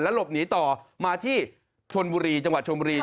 หลบหนีต่อมาที่ชนบุรีจังหวัดชมบุรี